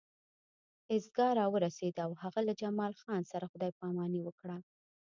ایستګاه راورسېده او هغه له جمال خان سره خدای پاماني وکړه